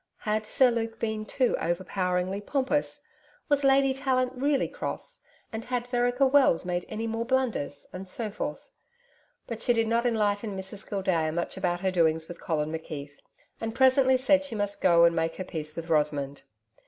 Had Sir Luke been too over poweringly pompous? Was Lady Tallant really cross? and had Vereker Wells made any more blunders? and so forth. But she did not enlighten Mrs Gildea much about her doings with Colin McKeith, and presently said she must go and make her peace with Rosamond.